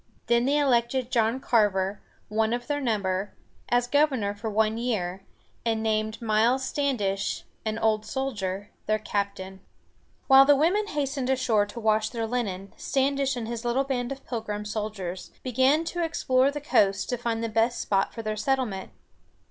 Then they elected John Carver, one of their number, as governor for one year, and named Miles Stand´ish, an old soldier, their captain. [Illustration: The First Wash Day.] While the women hastened ashore to wash their linen, Standish and his little band of Pilgrim soldiers began to explore the coast to find the best spot for their settlement.